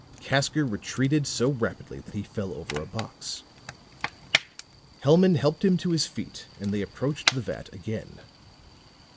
Casker retreated so rapidly that he fell over a box. Hellman helped him to his feet, and they approached the vat again.